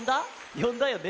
よんだよね？